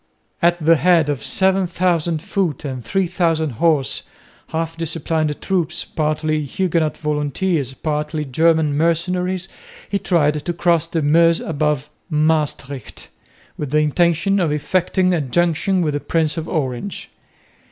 At the head of 7000 foot and 3000 horse half disciplined troops, partly Huguenot volunteers, partly German mercenaries he tried to cross the Meuse above Maestricht with the intention of effecting a junction with the Prince of Orange.